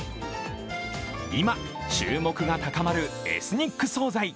今、注目が高まるエスニック総菜。